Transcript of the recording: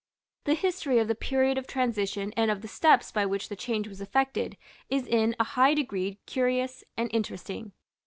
The history of the period of transition and of the steps by which the change was effected is in a high degree curious and interesting.